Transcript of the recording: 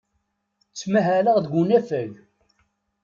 Ttmahaleɣ deg unafag.